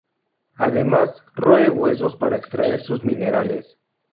Además, roe huesos para extraer sus minerales.